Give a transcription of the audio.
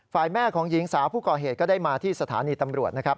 ฝ่ายแม่ของหญิงสาวผู้ก่อเหตุก็ได้มาที่สถานีตำรวจนะครับ